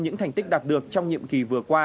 những thành tích đạt được trong nhiệm kỳ vừa qua